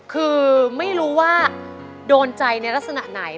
คือไม่รู้ว่าโดนใจในลักษณะไหน